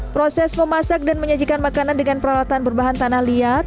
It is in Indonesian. proses memasak dan menyajikan makanan dengan peralatan berbahan tanah liat